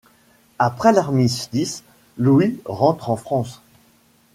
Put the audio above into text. Après l'armistice, Louis rentre en France.